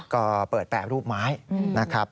ก็เปิดแปรรูปไม้นะครับ